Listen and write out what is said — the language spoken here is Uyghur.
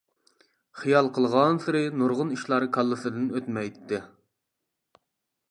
خىيال قىلغانسېرى نۇرغۇن ئىشلار كاللىسىدىن ئۆتمەيتتى.